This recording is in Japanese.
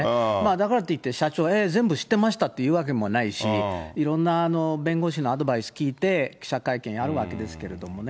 だからっていって、社長、全部知ってましたって言うわけもないし、いろんな弁護士のアドバイス聞いて、記者会見やるわけですけれどもね。